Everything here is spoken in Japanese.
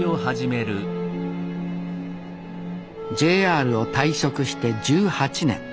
ＪＲを退職して１８年。